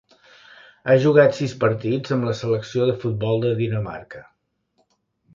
Ha jugat sis partits amb la selecció de futbol de Dinamarca.